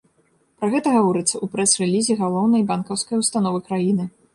Пра гэта гаворыцца ў прэс-рэлізе галоўнай банкаўскай установы краіны.